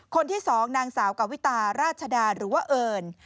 คนที่๒นางสาวกาวิตาราชดาหรือว่าเอิญ